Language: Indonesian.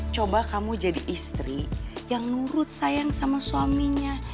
coba kamu jadi istri yang nurut sayang sama suaminya